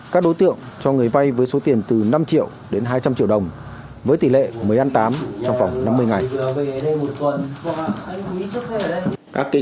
các đối tượng cho người vay với số tiền từ năm triệu đến hai trăm linh triệu đồng với tỷ lệ mới ăn tám trong khoảng năm mươi ngày